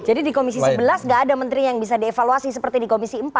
jadi di komisi sebelas gak ada menteri yang bisa dievaluasi seperti di komisi empat